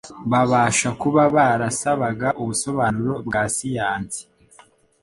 Babasha kuba barasabaga ubusobanuro bwa siyansi